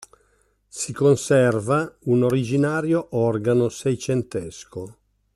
Si conserva un originario organo seicentesco.